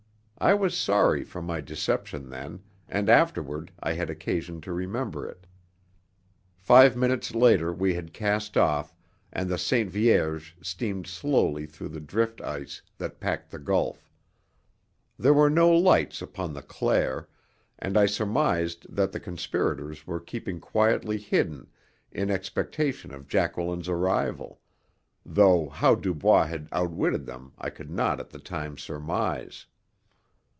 I was sorry for my deception then, and afterward I had occasion to remember it. Five minutes later we had cast off, and the Sainte Vierge steamed slowly through the drift ice that packed the gulf. There were no lights upon the Claire, and I surmised that the conspirators were keeping quietly hidden in expectation of Jacqueline's arrival, though how Dubois had outwitted them I could not at the time surmise.